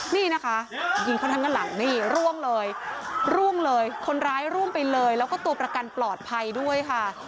นี่นะคะยิงเขาทั้งข้างหลังนี่ร่วงเลยร่วงเลยคนร้ายร่วงไปเลยแล้วก็ตัวประกันปลอดภัยด้วยค่ะ